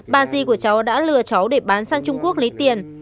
bà di của cháu đã lừa cháu để bán sang trung quốc lấy tiền